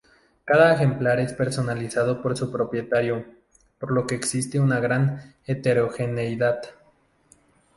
Cada ejemplar es personalizado por su propietario, por lo que existe una gran heterogeneidad.